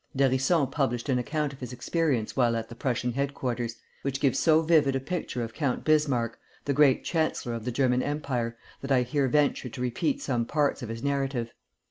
D'Hérisson published an account of his experience while at the Prussian headquarters, which gives so vivid a picture of Count Bismarck, the great chancellor of the German Empire, that I here venture to repeat some parts of his narrative.